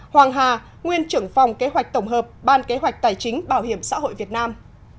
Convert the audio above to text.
hoàng hà nguyên trưởng phòng kế hoạch tổng hợp ban kế hoạch tài chính bảo hiểm xã hội việt nam